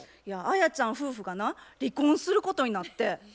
いやアヤちゃん夫婦がな離婚することになって。